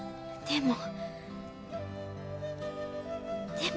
でも。